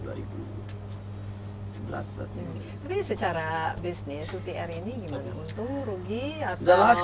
tapi secara bisnis susi air ini gimana untuk rugi atau